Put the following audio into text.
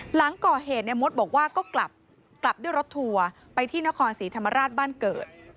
หลังก่อเหตุในมดบอกว่าก็กลับกลับด้วยรถทัวร์ไปที่นครศรีธรรมราชบ้านเกิด